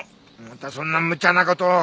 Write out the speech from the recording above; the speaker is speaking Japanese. またそんなむちゃな事を。